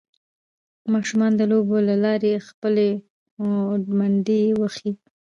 ماشومان د لوبو له لارې خپله هوډمندۍ وښيي